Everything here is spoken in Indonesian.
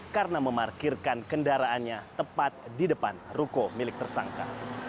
karena memarkirkan kendaraannya tepat di depan ruko milik tersangka